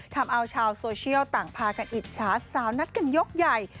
ทำเอาชาวโซเชียลต่างพากันอิจฉาสาวนัทกันยกใหญ่